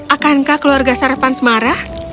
akankah keluarga sarpan marah